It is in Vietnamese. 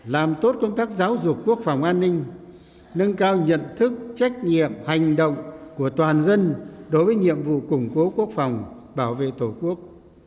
làm tốt công tác giáo dục quốc phòng an ninh nâng cao nhận thức trách nhiệm hành động của toàn dân đối với nhiệm vụ củng cố quốc phòng bảo vệ tổ quốc